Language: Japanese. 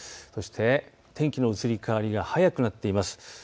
そして天気の移り変わりが早くなっています。